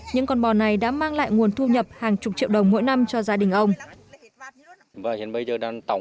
những con bò này đã mang lại nguồn thu nhập hàng chục triệu đồng mỗi năm cho gia đình ông